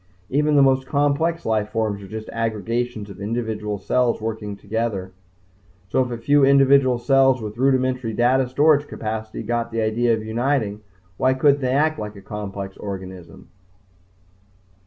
Even the most complex life forms are just aggregations of individual cells working together. So if a few individual cells with rudimentary data storage capacity got the idea of uniting why couldn't they act like a complex organism?